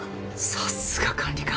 さすが管理官！